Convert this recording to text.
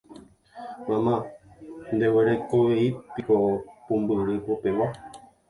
Mama, ndeguerekovéipiko pumbyry popegua.